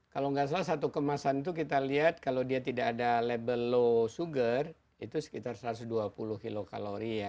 kalau nggak salah satu kemasan itu kita lihat kalau dia tidak ada label low sugar itu sekitar satu ratus dua puluh kilokalori ya